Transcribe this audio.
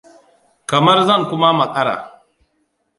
Kamar zan kuma makara.